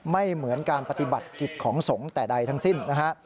เหมือนการปฏิบัติกิจของสงฆ์แต่ใดทั้งสิ้นนะฮะ